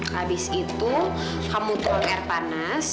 habis itu kamu tolong air panas